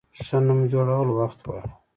ښه نوم جوړول وخت غواړي.